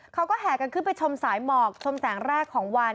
เขาก็แห่กันขึ้นไปชมสายหมอกชมแสงแรกของวัน